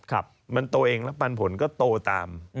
และปันผลก็โตตาม